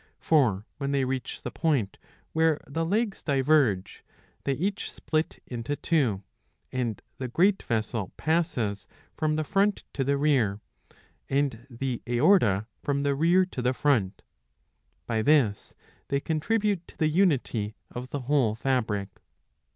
For when they reach the point where the legs diverge, they each split into two, and the great vessel passes from the front to the rear, and the aorta from the rear to the front. By this they contribute to the unity of the whole fabric.